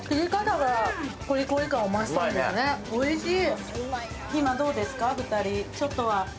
おいしい。